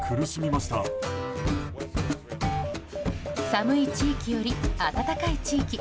寒い地域より、暖かい地域。